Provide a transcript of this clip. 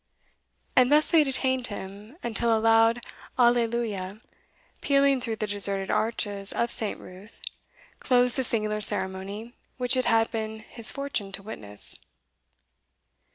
And thus they detained him until a loud Alleluia, pealing through the deserted arches of St. Ruth, closed the singular ceremony which it had been his fortune to witness.